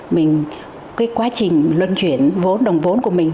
mình cái quá trình luân chuyển vốn đồng vốn của mình